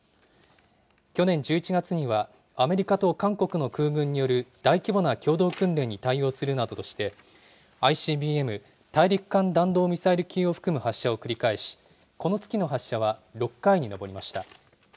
去年１１月には、アメリカと韓国の空軍による大規模な共同訓練に対応するなどとして、ＩＣＢＭ・大陸間弾道ミサイル級を含む発射を繰り返し、この月の発射は６回に上りました。